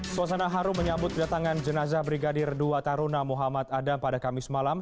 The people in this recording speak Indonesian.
suasana harum menyambut kedatangan jenazah brigadir dua taruna muhammad adam pada kamis malam